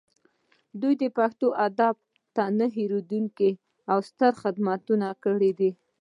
دوی پښتو ادب ته نه هیریدونکي او ستر خدمتونه کړي دي